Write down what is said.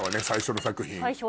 最初の作品。